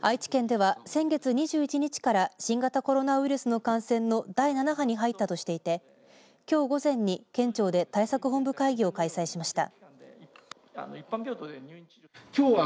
愛知県では先月２１日から新型コロナウイルスの感染の第７波に入ったとしていてきょう午前に県庁で対策本部会議を開催しました。